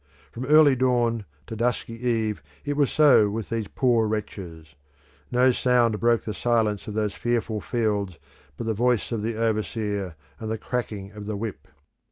From early dawn to dusky eve it was so with these poor wretches: no sound broke the silence of those fearful fields but the voice of the overseer and the cracking of the whip.